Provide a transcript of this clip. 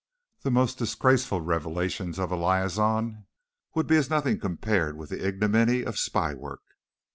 The most disgraceful revelations of a liaison would be as nothing compared with the ignominy of spy work!"